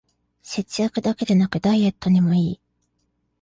節約だけでなくダイエットにもいい